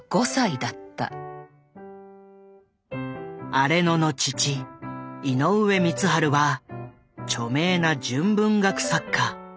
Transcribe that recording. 荒野の父井上光晴は著名な純文学作家。